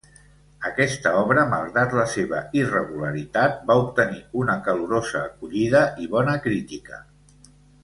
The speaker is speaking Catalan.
Aquesta obra, malgrat la seva irregularitat, va obtenir una calorosa acollida i bona crítica.